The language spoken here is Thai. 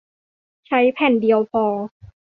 ใช้แผ่นเดียวพอ